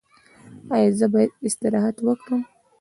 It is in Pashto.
ایا زه باید استراحت وکړم؟